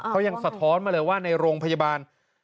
เขายังสะท้อนมาเลยว่าในโรงพยาบาล